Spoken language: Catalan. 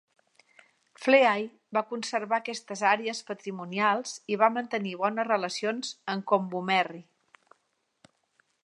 Fleay va conservar aquestes àrees patrimonials i va mantenir bones relacions amb Kombumerri.